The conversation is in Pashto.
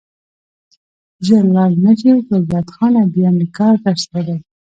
ژر لاړ نه شې ګلداد خانه بیا مې کار درسره دی.